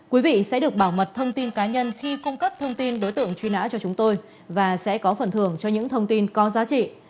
quý vị sẽ được bảo mật thông tin cá nhân khi cung cấp thông tin đối tượng truy nã cho chúng tôi và sẽ có phần thưởng cho những thông tin có giá trị